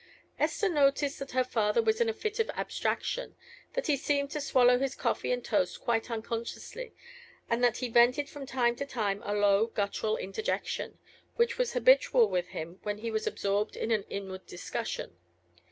Esther noticed that her father was in a fit of abstraction, that he seemed to swallow his coffee and toast quite unconsciously, and that he vented from time to time a low guttural interjection, which was habitual with him when he was absorbed by an inward discussion.